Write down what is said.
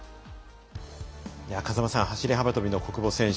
風間さん、走り幅跳びの小久保選手。